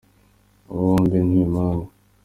aba bombi n'impanga.